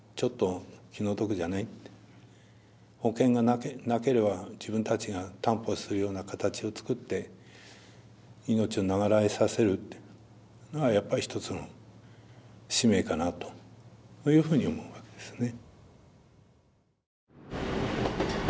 保険がなければ自分たちが担保するような形を作って命を長らえさせるというのがやっぱり一つの使命かなというふうに思うわけですね。